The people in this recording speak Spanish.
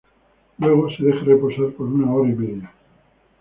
Luego se deja reposar por una hora y media.